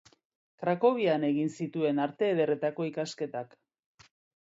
Krakovian egin zituen Arte Ederretako ikasketak.